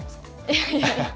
いやいや。